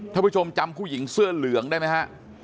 ท่านผู้ชมจำผู้หญิงเสื้อเหลืองได้ไหมฮะ